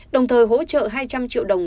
đồng thời hỗ trợ hai trăm linh triệu đồng